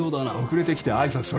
遅れてきて挨拶それか？